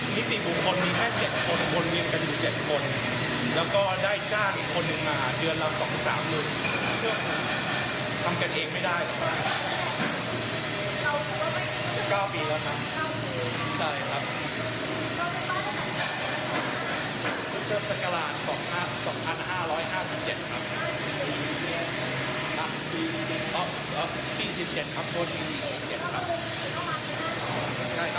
สำหรับการพวกคุณเสียงกะวันบะใจหรือยังไง